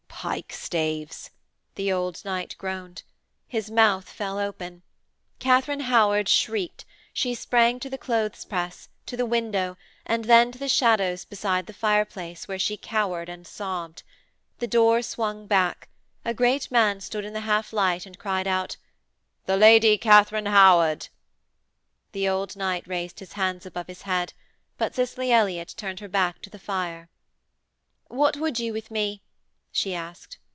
'Pikestaves!' the old knight groaned. His mouth fell open. Katharine Howard shrieked; she sprang to the clothes press, to the window and then to the shadows beside the fireplace where she cowered and sobbed. The door swung back: a great man stood in the half light and cried out: 'The Lady Katharine Howard.' The old knight raised his hands above his head but Cicely Elliott turned her back to the fire. 'What would you with me?' she asked.